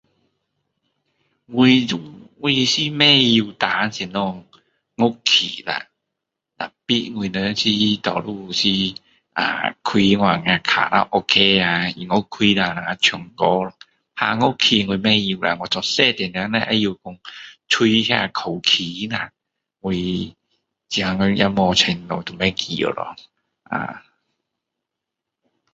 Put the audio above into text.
我 [unintelligible] 我是不会弹什么乐器啦！但是我们是，多数是 ahh 开那卡拉 OK 啦。音乐开了我们唱歌啦。弹乐器我不会啦，我做小时候那只会讲吹那口琴啦。我现在也无玩了，也不记得了 ahh